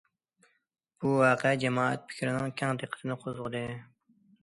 بۇ ۋەقە جامائەت پىكرىنىڭ كەڭ دىققىتىنى قوزغىدى.